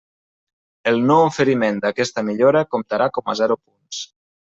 El no oferiment d'aquesta millora comptarà com a zero punts.